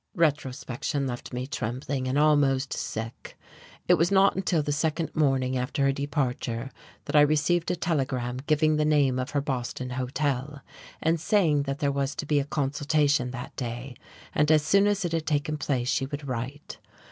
Retrospection left me trembling and almost sick. It was not until the second morning after her departure that I received a telegram giving the name of her Boston hotel, and saying that there was to be a consultation that day, and as soon as it had taken place she would write.